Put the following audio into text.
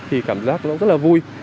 thì cảm giác rất là vui